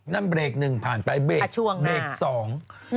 นั่นเบรกหนึ่งผ่านไปเบรกสอง